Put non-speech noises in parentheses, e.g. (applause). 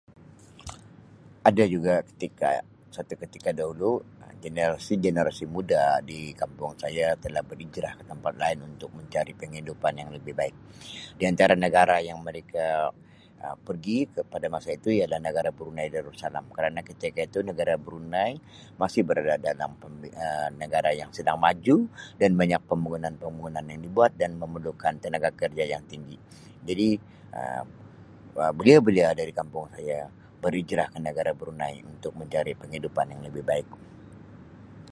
(noise) Ada juga ketika- satu ketika dahulu, Um generasi-generasi muda di kampung saya telah berhijrah ke tempat lain untuk mencari penghidupan yang lebih baik. Di antara negara yang mereka Um pergi ke pada masa itu ialah negara Brunei Darussalam. Kerana ketika itu negara Brunei masih berada dalam pembi- Um negara yang sedang maju dan banyak pembangunan-pembangunan yang dibuat dan memerlukan tenaga kerja yang tinggi. Jadi, Um belia-belia dari kampung saya berhijrah ke negara Brunei untuk mencari penghidupan yang lebih baik.